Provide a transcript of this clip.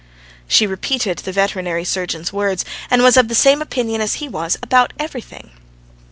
She repeated the veterinary surgeon's words, and was of the same opinion as he about everything.